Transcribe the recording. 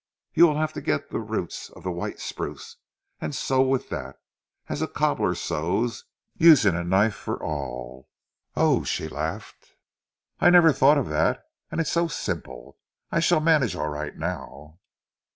"You will have to get the roots of the white spruce, and sew with that, as a cobbler sews, using a knife for awl." "Oh," she laughed, "I never thought of that, and it is so simple. I shall manage all right now."